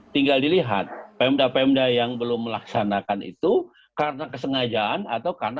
saya kira itu kesengajaan